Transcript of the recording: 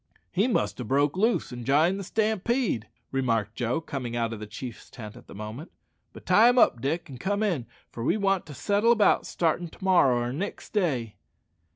"He must ha' broke loose and jined the stampede," remarked Joe, coming out of the chief's tent at the moment; "but tie him up, Dick, and come in, for we want to settle about startin' to morrow or nixt day."